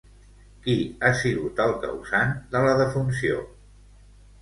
Qui ha sigut el causant de la defunció?